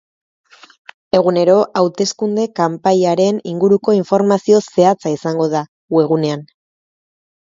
Egunero, hauteskunde kanpaiaren inguruko informazio zehatza izango da wegunean.